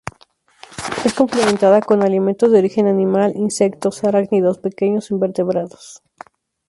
Es complementada con alimentos de origen animal: insectos, arácnidos, pequeños vertebrados.